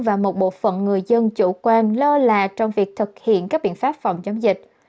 và một bộ phận người dân chủ quan lơ là trong việc thực hiện các biện pháp phòng chống dịch